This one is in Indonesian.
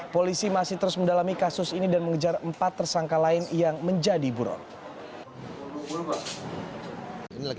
polisi masih terus mendalami kasus ini dan mengejar empat tersangka lain yang menjadi buron